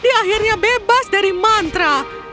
dia akhirnya bebas dari mantra